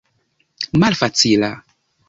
malfacila